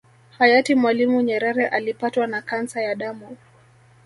Hayati Mwalimu Nyerere Alipatwa na kansa ya damu